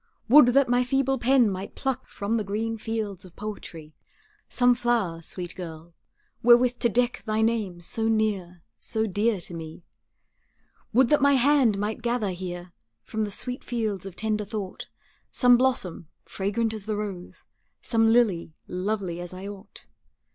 Would that my feeble pen might pluck From the green fields of poetry, Some flower, sweet girl, wherewith to deck Thy name so near, so dear to me. Would that my hand might gather here From the sweet fields of tender thought, Some blossom, fragrant as the rose, Some lily, lovely as I ought.